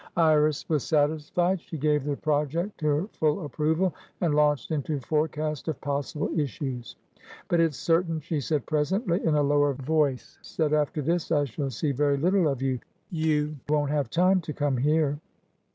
Iris was satisfied. She gave the project her full approval, and launched into forecast of possible issues. "But it's certain," she said presently, in a lower voice, "that after this I shall see very little of you. You won't have time to come here."